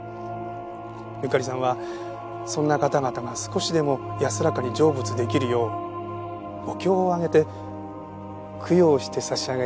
ゆかりさんはそんな方々が少しでも安らかに成仏できるようお経を上げて供養して差し上げていたんです。